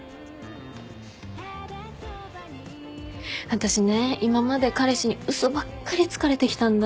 私ね今まで彼氏に嘘ばっかりつかれてきたんだ。